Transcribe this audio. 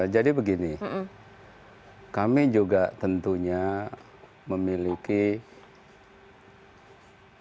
jadi begini kami juga tentunya memiliki prasangka baik